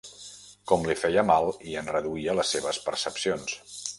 Com li feia mal, i en reduïa les seves percepcions.